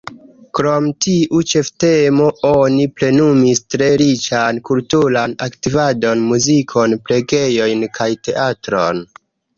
Krom tiu ĉeftemo, oni plenumis tre riĉan kulturan aktivadon: muzikon, prelegojn kaj teatron.